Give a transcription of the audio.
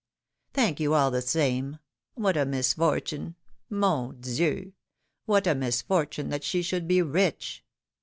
Thank you, all the same ! What a misfortune !— Mon Dieu! what a misfortune that she should be rich!"